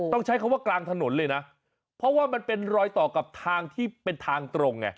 ต้องใช้คำว่ากลางถนนเลยนะเพราะว่ามันเป็นรอยต่อกับทางที่เป็นทางตรงไง